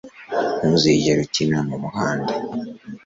Ntuzigere ukina mumuhanda